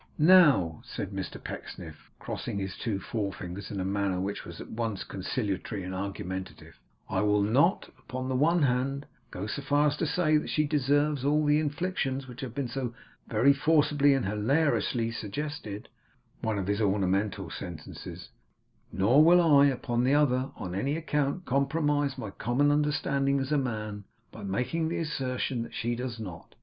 'Now,' said Mr Pecksniff, crossing his two forefingers in a manner which was at once conciliatory and argumentative; 'I will not, upon the one hand, go so far as to say that she deserves all the inflictions which have been so very forcibly and hilariously suggested;' one of his ornamental sentences; 'nor will I, upon the other, on any account compromise my common understanding as a man, by making the assertion that she does not.